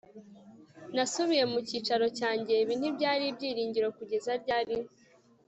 nasubiye mu cyicaro cyanjye. ibi ntibyari byiringiro; kugeza ryari